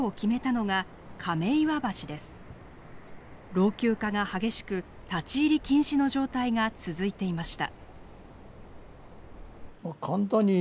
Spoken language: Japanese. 老朽化が激しく立ち入り禁止の状態が続いていました。